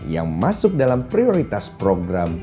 yang masuk dalam prioritas program